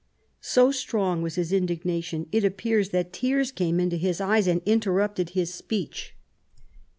So strong was his indignation, it appears, that tears came into his eyes and interrupted his speech.